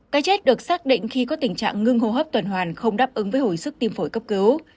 cái chết được xác định khi có tình trạng ngưng hô hấp tuần hoàn không đáp ứng với hồi sức tim phổi cấp cứu